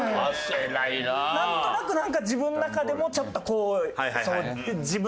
なんとなくなんか自分の中でもちょっとこう。